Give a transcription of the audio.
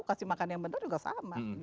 kasih makan yang benar juga sama